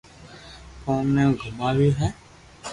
ڪوم ني گوماوو ھي